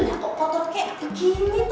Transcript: lihat kau kotor kayak begini tuh